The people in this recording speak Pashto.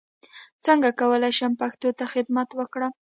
څنګه کولای شم پښتو ته خدمت وکړم